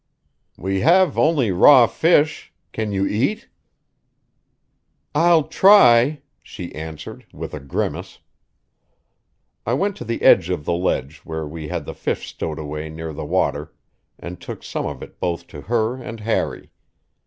"We have only raw fish. Can you eat?" "I'll try," she answered, with a grimace. I went to the edge of the ledge where we had the fish stowed away near the water and took some of it both to her and Harry.